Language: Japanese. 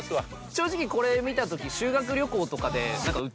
正直これ見たとき。